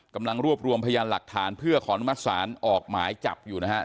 กำลังรวบรวมพยานหลักฐานเพื่อขอนมสารออกหมายจับอยู่นะฮะ